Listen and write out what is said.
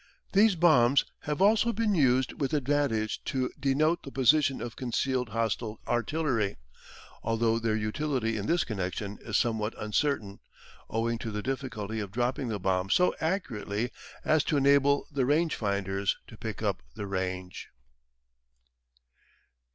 These bombs have also been used with advantage to denote the position of concealed hostile artillery, although their utility in this connection is somewhat uncertain, owing to the difficulty of dropping the bomb so accurately as to enable the range finders to pick up the range.